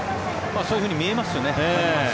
そういうふうに見えますよね。